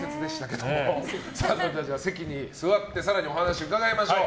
それでは席に座って更にお話伺いましょう。